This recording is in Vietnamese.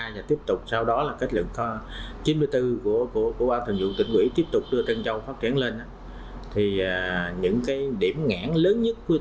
và tiếp tục sau đó là kết luận chín mươi bốn của bộ xây dựng tỉnh quỹ tiếp tục đưa tân châu phát triển lên